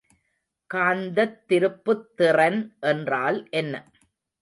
காந்தத்திருப்புத் திறன் என்றால் என்ன?